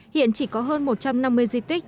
hiện chỉ có hơn một trăm năm mươi di tích